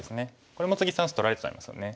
これも次３子取られちゃいますよね。